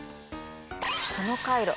この回路